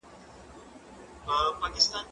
هغه څوک چي خواړه ورکوي مرسته کوي!.